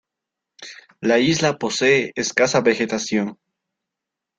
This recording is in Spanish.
La isla posee escasa vegetación.